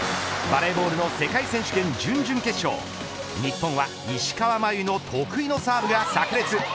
バレーボールの世界選手権準々決勝日本は石川真佑の得意のサーブがさく裂。